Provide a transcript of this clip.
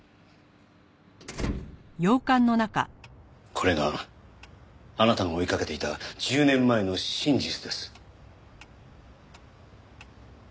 これがあなたの追いかけていた１０年前の真実です。